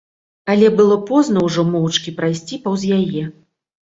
Але было позна ўжо моўчкі прайсці паўз яе.